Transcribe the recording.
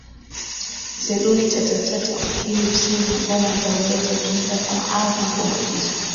Seluni chachacha ukindu usinga ngoma na tarumbeta hutumika kama ala za ngoma hizo